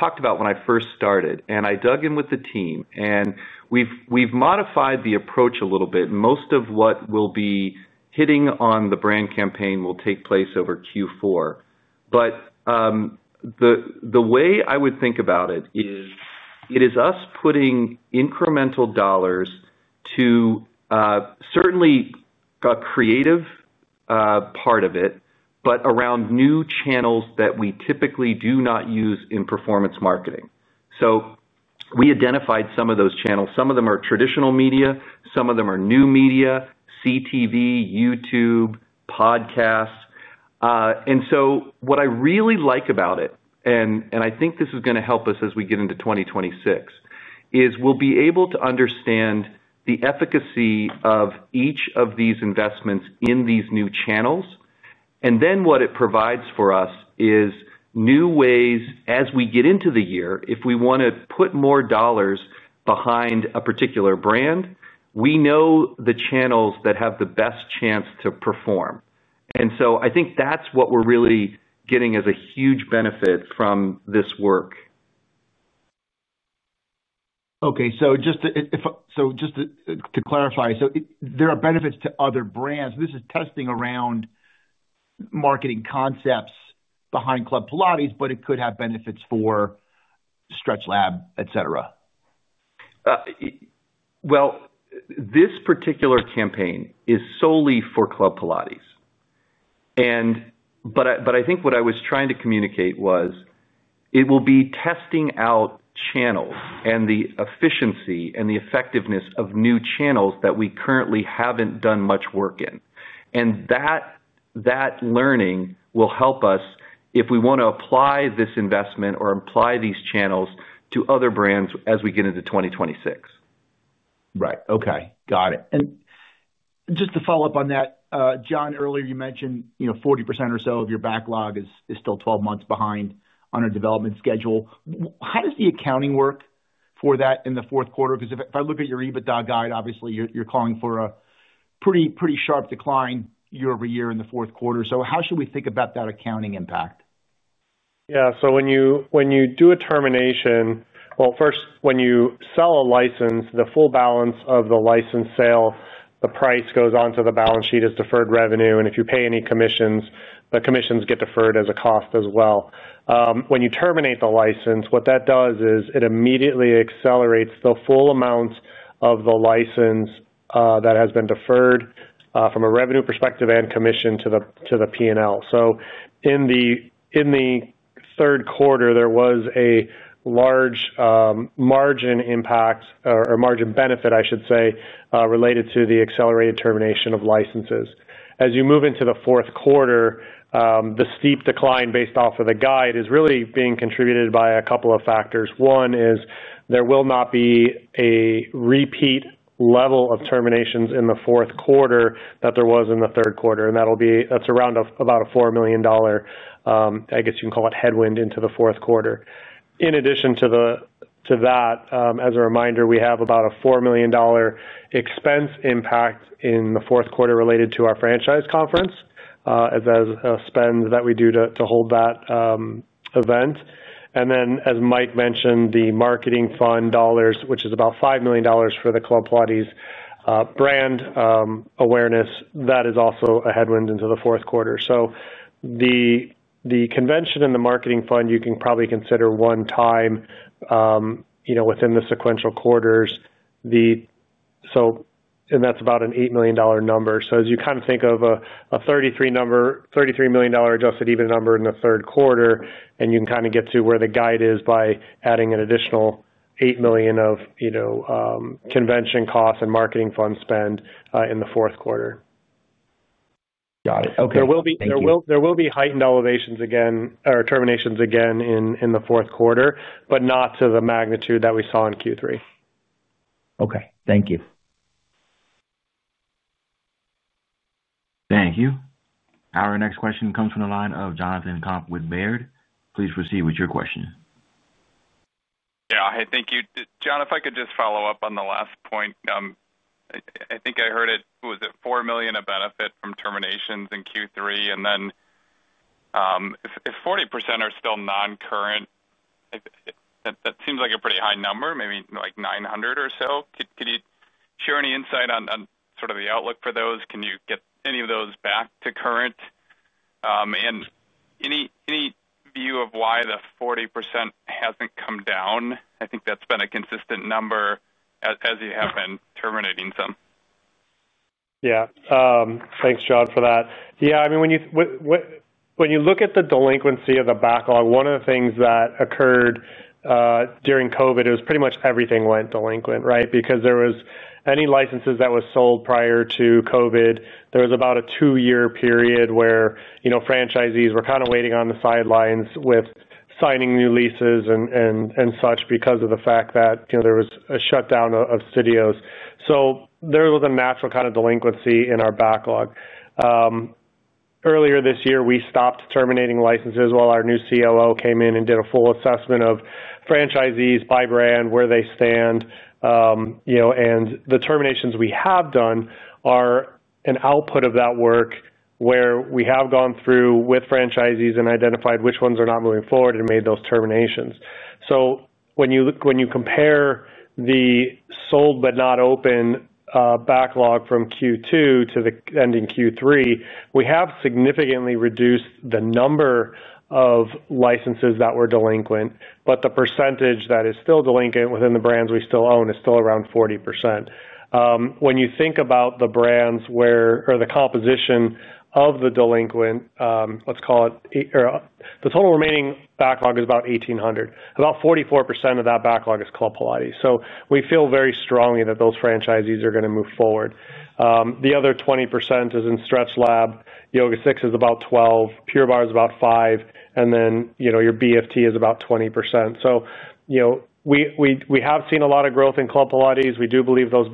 talked about when I first started, and I dug in with the team, and we've modified the approach a little bit. Most of what will be hitting on the brand campaign will take place over Q4. The way I would think about it is it is us putting incremental dollars to, certainly, a creative part of it, but around new channels that we typically do not use in performance marketing. We identified some of those channels. Some of them are traditional media. Some of them are new media, CTV, YouTube, podcasts. And so what I really like about it, and I think this is going to help us as we get into 2026, is we'll be able to understand the efficacy of each of these investments in these new channels. And then what it provides for us is new ways as we get into the year, if we want to put more dollars behind a particular brand, we know the channels that have the best chance to perform. And so I think that's what we're really getting as a huge benefit from this work. Okay. So just to clarify, so there are benefits to other brands. This is testing around marketing concepts behind Club Pilates, but it could have benefits for StretchLab, etc. Well, this particular campaign is solely for Club Pilates. But I think what I was trying to communicate was. It will be testing out channels and the efficiency and the effectiveness of new channels that we currently haven't done much work in. And that. Learning will help us if we want to apply this investment or apply these channels to other brands as we get into 2026. Right. Okay. Got it. And. Just to follow up on that, John, earlier you mentioned 40% or so of your backlog is still 12 months behind on a development schedule. How does the accounting work for that in the fourth quarter? Because if I look at your EBITDA guide, obviously you're calling for a pretty sharp decline year-over-year in the fourth quarter. So how should we think about that accounting impact? Yeah. When you do a termination—well, first, when you sell a license, the full balance of the license sale, the price goes onto the balance sheet as deferred revenue. If you pay any commissions, the commissions get deferred as a cost as well. When you terminate the license, what that does is it immediately accelerates the full amount of the license that has been deferred from a revenue perspective and commission to the P&L. In the third quarter, there was a large margin impact or margin benefit, I should say, related to the accelerated termination of licenses. As you move into the fourth quarter, the steep decline based off of the guide is really being contributed by a couple of factors. One is there will not be a repeat level of terminations in the fourth quarter that there was in the third quarter. And that's around about a $4 million. I guess you can call it headwind into the fourth quarter. In addition to that, as a reminder, we have about a $4 million. Expense impact in the fourth quarter related to our franchise conference. As a spend that we do to hold that. Event. And then, as Mike mentioned, the marketing fund dollars, which is about $5 million for the Club Pilates brand awareness, that is also a headwind into the fourth quarter. So the. Convention and the marketing fund, you can probably consider one time. Within the sequential quarters. And that's about an $8 million number. So as you kind of think of a $33. Million adjusted EBIT number in the third quarter, and you can kind of get to where the guide is by adding an additional $8 million of. Convention costs and marketing fund spend in the fourth quarter. Got it. Okay. There will be heightened terminations again in the fourth quarter, but not to the magnitude that we saw in Q3. Okay. Thank you. Thank you. Our next question comes from the line of Jonathan Komp with Baird. Please proceed with your question. Yeah. Hey, thank you. John, if I could just follow up on the last point. I think I heard it—was it $4 million of benefit from terminations in Q3? And then. If 40% are still non-current. That seems like a pretty high number, maybe like 900 or so. Could you share any insight on sort of the outlook for those? Can you get any of those back to current? And. Any view of why the 40% hasn't come down? I think that's been a consistent number. As you have been terminating some. Yeah. Thanks, John, for that. Yeah. I mean. When you look at the delinquency of the backlog, one of the things that occurred. During COVID, it was pretty much everything went delinquent, right? Because any licenses that were sold prior to COVID, there was about a two-year period where franchisees were kind of waiting on the sidelines with signing new leases and such because of the fact that there was a shutdown of studios. So there was a natural kind of delinquency in our backlog. Earlier this year, we stopped terminating licenses while our new COO came in and did a full assessment of franchisees by brand, where they stand. And the terminations we have done are an output of that work where we have gone through with franchisees and identified which ones are not moving forward and made those terminations. So when you compare the. Sold but not open backlog from Q2 to the ending Q3, we have significantly reduced the number of licenses that were delinquent, but the percentage that is still delinquent within the brands we still own is still around 40%. When you think about the brands or the composition of the delinquent, let's call it. The total remaining backlog is about 1,800. About 44% of that backlog is Club Pilates. So we feel very strongly that those franchisees are going to move forward. The other 20% is in StretchLab. YogaSix is about 12%. Pure Barre is about 5%. And then your BFT is about 20%. So. We have seen a lot of growth in Club Pilates. We do believe those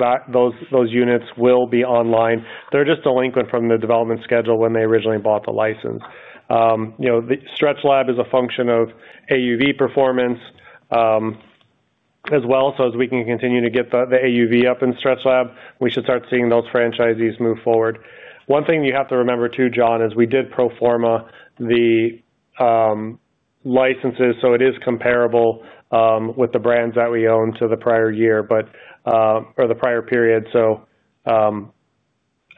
units will be online. They're just delinquent from the development schedule when they originally bought the license. StretchLab is a function of AUV performance. As well. As we can continue to get the AUV up in StretchLab, we should start seeing those franchisees move forward. One thing you have to remember too, John, is we did pro forma the licenses, so it is comparable with the brands that we own to the prior year or the prior period.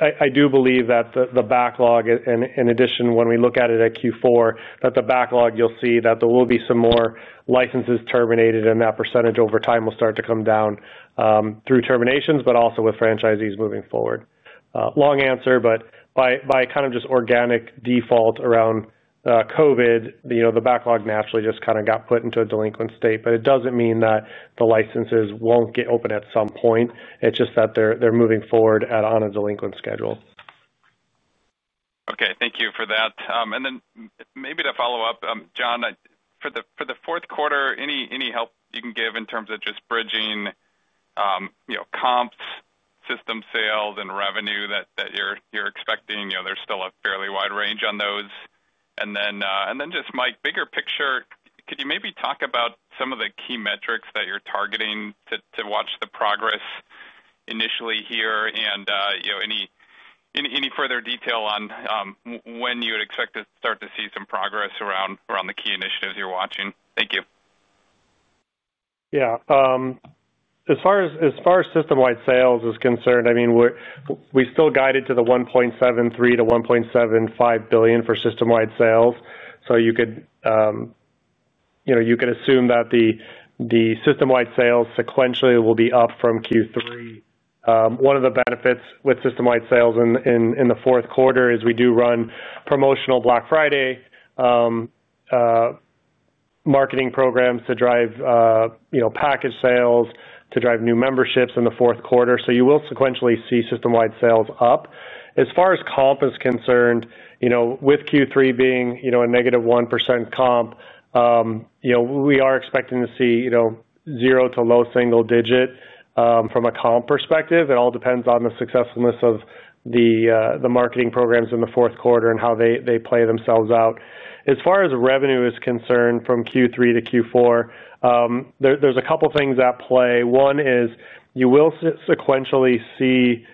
I do believe that the backlog, in addition, when we look at it at Q4, that the backlog, you'll see that there will be some more licenses terminated, and that percentage over time will start to come down through terminations, but also with franchisees moving forward. Long answer, but by kind of just organic default around COVID, the backlog naturally just kind of got put into a delinquent state. It doesn't mean that the licenses won't get open at some point. It's just that they're moving forward on a delinquent schedule. Okay. Thank you for that. And then maybe to follow up, John, for the fourth quarter, any help you can give in terms of just bridging. Comps, system sales, and revenue that you're expecting? There's still a fairly wide range on those. And then just, Mike, bigger picture, could you maybe talk about some of the key metrics that you're targeting to watch the progress. Initially here and any. Further detail on. When you would expect to start to see some progress around the key initiatives you're watching? Thank you. Yeah. As far as system-wide sales is concerned, I mean, we still guided to the 1.73-1.75 billion for system-wide sales. So you could. Assume that the. System-wide sales sequentially will be up from Q3. One of the benefits with system-wide sales in the fourth quarter is we do run promotional Black Friday. Marketing programs to drive. Package sales, to drive new memberships in the fourth quarter. You will sequentially see system-wide sales up. As far as comp is concerned, with Q3 being a -1% comp, we are expecting to see zero to low single digit from a comp perspective. It all depends on the successfulness of the marketing programs in the fourth quarter and how they play themselves out. As far as revenue is concerned from Q3 to Q4, there are a couple of things at play. One is you will sequentially see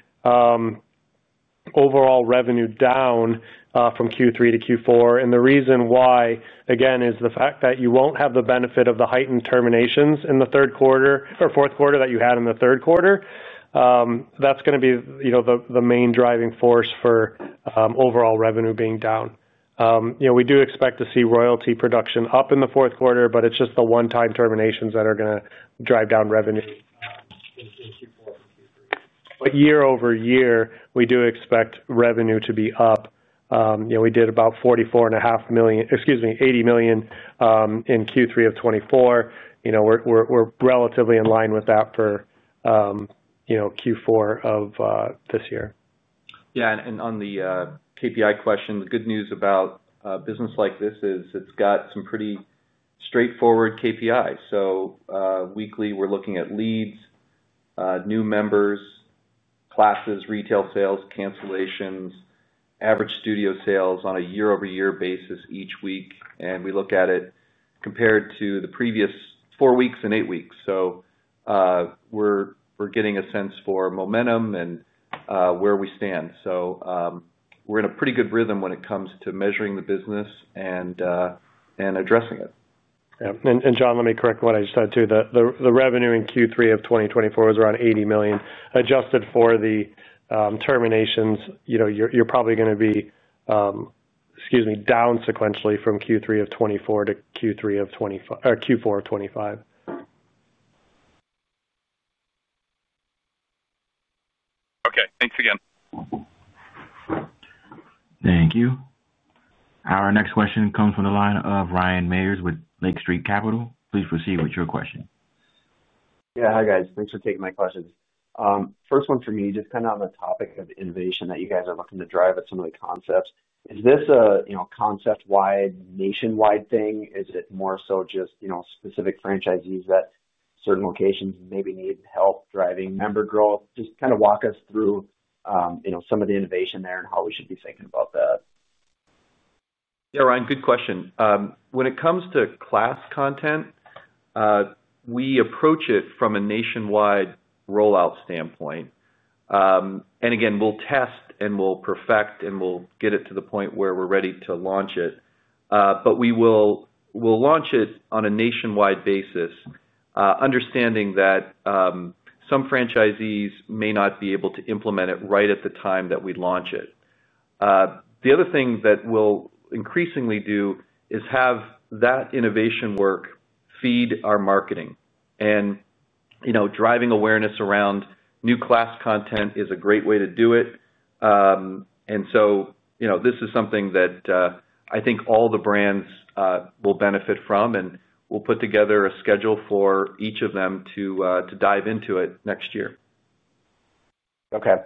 overall revenue down from Q3 to Q4. The reason why, again, is the fact that you will not have the benefit of the heightened terminations in the third quarter or fourth quarter that you had in the third quarter. That is going to be the main driving force for overall revenue being down. We do expect to see royalty production up in the fourth quarter, but it's just the one-time terminations that are going to drive down revenue. But year-over-year, we do expect revenue to be up. We did about 44 and a half million—excuse me—80 million. In Q3 of 2024. We're relatively in line with that for. Q4 of this year. Yeah. And on the KPI question, the good news about a business like this is it's got some pretty straightforward KPIs. So weekly, we're looking at leads. New members. Classes, retail sales, cancellations, average studio sales on a year-over-year basis each week. And we look at it compared to the previous four weeks and eight weeks. So. We're getting a sense for momentum and where we stand. So. We're in a pretty good rhythm when it comes to measuring the business and. Addressing it. Yeah. And John, let me correct what I said too. The revenue in Q3 of 2024 was around 80 million. Adjusted for the. Terminations, you're probably going to be—excuse me—down sequentially from Q3 of 2024 to Q4 of 2025. Okay. Thanks again. Thank you. Our next question comes from the line of Ryan Meyers with Lake Street Capital. Please proceed with your question. Yeah. Hi, guys. Thanks for taking my questions. First one for me, just kind of on the topic of innovation that you guys are looking to drive at some of the concepts. Is this a concept-wide, nationwide thing? Is it more so just specific franchisees that certain locations maybe need help driving member growth? Just kind of walk us through. Some of the innovation there and how we should be thinking about that. Yeah, Ryan, good question. When it comes to class content. We approach it from a nationwide rollout standpoint. And again, we'll test and we'll perfect and we'll get it to the point where we're ready to launch it. But we will. Launch it on a nationwide basis, understanding that. Some franchisees may not be able to implement it right at the time that we launch it. The other thing that we'll increasingly do is have that innovation work feed our marketing. And. Driving awareness around new class content is a great way to do it. And so this is something that I think all the brands will benefit from. And we'll put together a schedule for each of them to dive into it next year. Okay.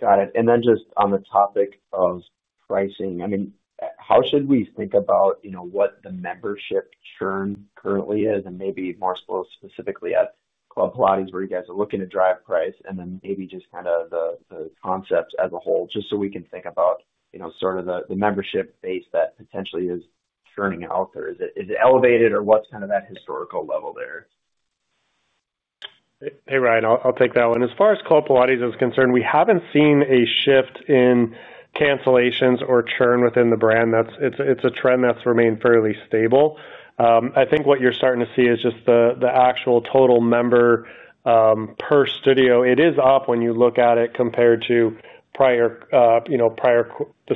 Got it. And then just on the topic of pricing, I mean, how should we think about what the membership churn currently is? And maybe more specifically at Club Pilates, where you guys are looking to drive price, and then maybe just kind of the concepts as a whole, just so we can think about sort of the membership base that potentially is churning out. Is it elevated, or what's kind of that historical level there? Hey, Ryan, I'll take that one. As far as Club Pilates is concerned, we haven't seen a shift in cancellations or churn within the brand. It's a trend that's remained fairly stable. I think what you're starting to see is just the actual total member. Per studio. It is up when you look at it compared to. The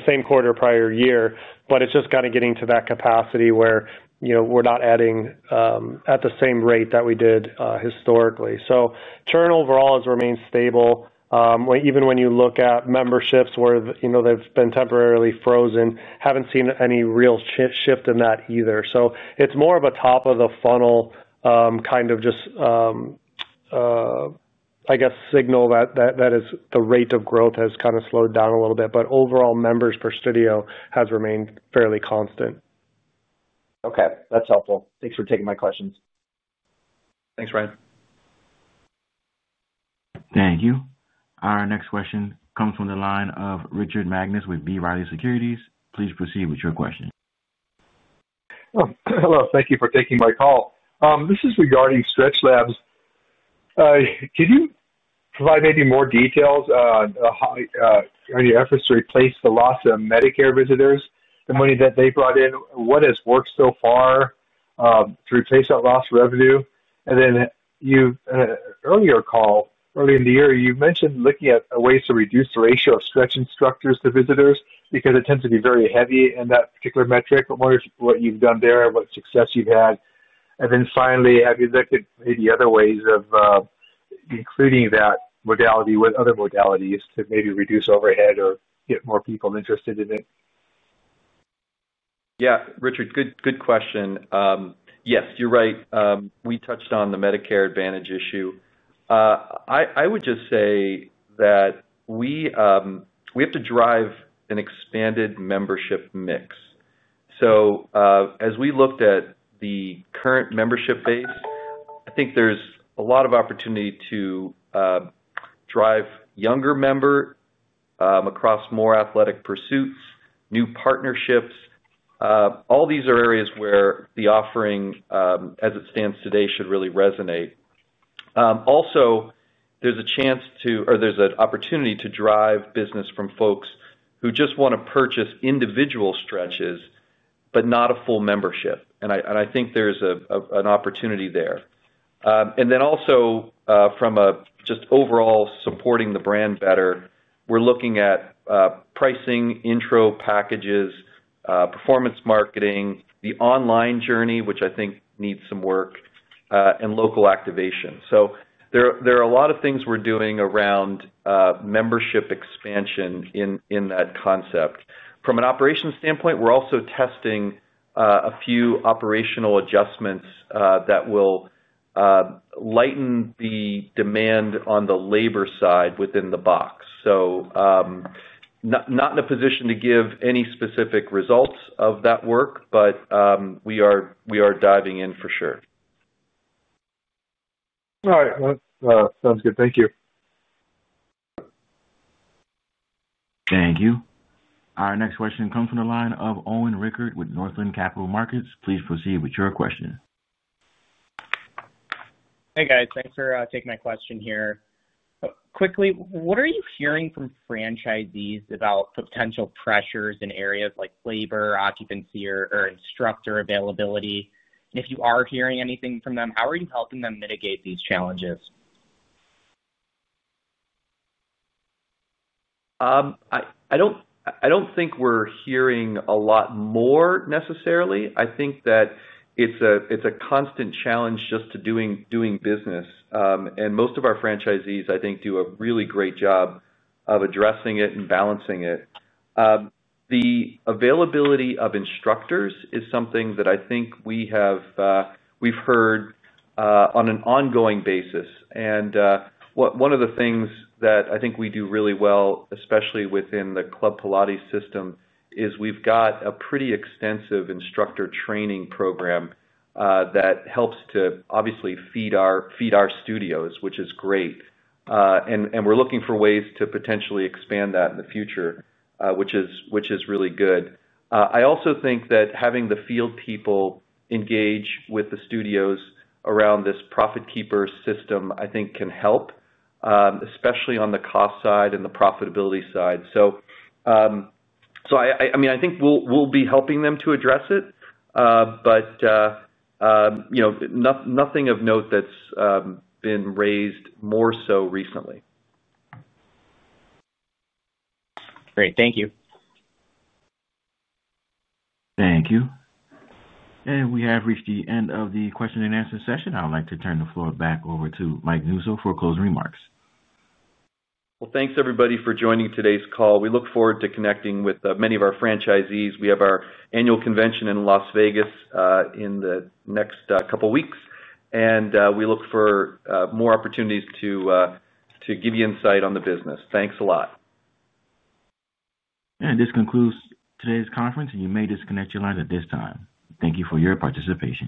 same quarter prior year, but it's just kind of getting to that capacity where we're not adding at the same rate that we did historically. So churn overall has remained stable. Even when you look at memberships where they've been temporarily frozen, haven't seen any real shift in that either. So it's more of a top-of-the-funnel kind of just. I guess, signal that the rate of growth has kind of slowed down a little bit. But overall, members per studio has remained fairly constant. Okay. That's helpful. Thanks for taking my questions. Thanks, Ryan. Thank you. Our next question comes from the line of Richard Magnus with B. Riley Securities. Please proceed with your question. Hello. Thank you for taking my call. This is regarding Stretch Labs. Could you provide maybe more details on. Your efforts to replace the loss of Medicare visitors, the money that they brought in? What has worked so far. To replace that loss revenue? And then. Your earlier call, early in the year, you mentioned looking at ways to reduce the ratio of stretch instructors to visitors because it tends to be very heavy in that particular metric. I wonder what you've done there and what success you've had. And then finally, have you looked at maybe other ways of. Including that modality with other modalities to maybe reduce overhead or get more people interested in it? Yeah. Richard, good question. Yes, you're right. We touched on the Medicare advantage issue. I would just say that. We have to drive an expanded membership mix. So as we looked at the current membership base, I think there's a lot of opportunity to. Drive younger members. Across more athletic pursuits, new partnerships. All these are areas where the offering, as it stands today, should really resonate. Also, there's a chance to, or there's an opportunity to drive business from folks who just want to purchase individual stretches but not a full membership. And I think there's an opportunity there. And then also, from just overall supporting the brand better, we're looking at. Pricing, intro packages, performance marketing, the online journey, which I think needs some work. And local activation. So there are a lot of things we're doing around. Membership expansion in that concept. From an operations standpoint, we're also testing a few operational adjustments that will. Lighten the demand on the labor side within the box. So. Not in a position to give any specific results of that work, but we are diving in for sure. All right. Sounds good. Thank you. Thank you. Our next question comes from the line of Owen Rickert with Northland Capital Markets. Please proceed with your question. Hey, guys. Thanks for taking my question here. Quickly, what are you hearing from franchisees about potential pressures in areas like labor, occupancy, or instructor availability? And if you are hearing anything from them, how are you helping them mitigate these challenges? I don't think we're hearing a lot more necessarily. I think that it's a constant challenge just to doing business. And most of our franchisees, I think, do a really great job of addressing it and balancing it. The availability of instructors is something that I think we've heard. On an ongoing basis. And one of the things that I think we do really well, especially within the Club Pilates system, is we've got a pretty extensive instructor training program. That helps to obviously feed our studios, which is great. And we're looking for ways to potentially expand that in the future, which is really good. I also think that having the field people engage with the studios around this profit keeper system, I think, can help. Especially on the cost side and the profitability side. So. I mean, I think we'll be helping them to address it. But. Nothing of note that's been raised more so recently. Great. Thank you. Thank you. And we have reached the end of the question-and-answer session. I would like to turn the floor back over to Mike Newsome for closing remarks. Well, thanks, everybody, for joining today's call. We look forward to connecting with many of our franchisees. We have our annual convention in Las Vegas in the next couple of weeks. And we look for more opportunities to. Give you insight on the business. Thanks a lot. And this concludes today's conference, and you may disconnect your line at this time. Thank you for your participation.